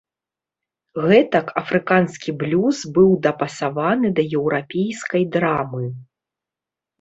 Гэтак афрыканскі блюз быў дапасаваны да еўрапейскай драмы.